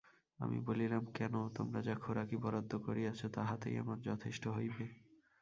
আমি বলিলাম–কেন, তোমরা যা খোরাকি বরাদ্দ করিয়াছ তাহাতেই আমার যথেষ্ট হইবে।